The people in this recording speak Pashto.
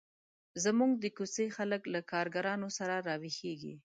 زموږ د کوڅې خلک له کارګرانو سره را ویښیږي.